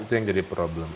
itu yang jadi problem